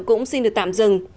cũng xin được tạm dừng